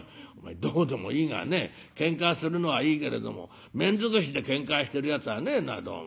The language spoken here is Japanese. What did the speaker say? どうでもいいがねけんかするのはいいけれども面尽くしでけんかしてるやつはねえなどうも。